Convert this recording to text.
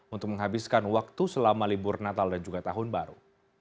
untuk menghabiskan waktu selama libur natal dan juga tahun baru